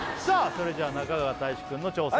それじゃ中川大志くんの挑戦